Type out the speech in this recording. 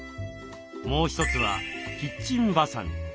もう一つはキッチンばさみ。